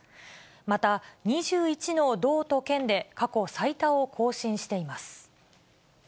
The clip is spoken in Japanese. また、２１の道と県で過去最多を更新しています。